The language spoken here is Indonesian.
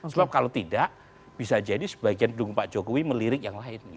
sebab kalau tidak bisa jadi sebagian pendukung pak jokowi melirik yang lain